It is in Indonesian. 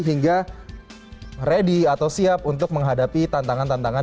hingga ready atau siap untuk menghadapi tantangan tantangan